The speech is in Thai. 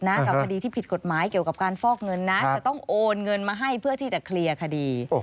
กับคดีที่ผิดกฎหมายเกี่ยวกับการฟอกเงินนะจะต้องโอนเงินมาให้เพื่อที่จะเคลียร์คดี